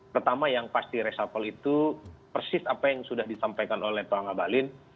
pertama yang pasti reshuffle itu persis apa yang sudah disampaikan oleh pak ngabalin